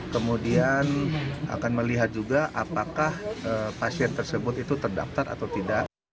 kemudian akan melihat juga apakah pasien tersebut itu terdaftar atau tidak